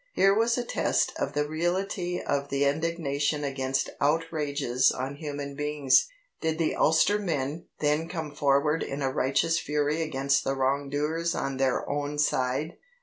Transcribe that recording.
Here was a test of the reality of the indignation against outrages on human beings. Did the Ulstermen then come forward in a righteous fury against the wrongdoers on their own side?